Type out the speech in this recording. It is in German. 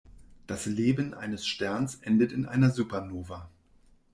Das Leben eines Sterns endet in einer Supernova.